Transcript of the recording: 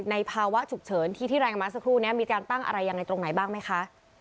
ในภาวะฉุกเฉินที่ที่รายกำลังมาสักครู่นี้มีการปั้งอะไรอย่างในตรงไหนบ้างไหมคะ